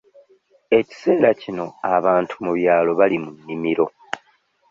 Ekiseera kino abantu mu byalo bali mu nnimiro.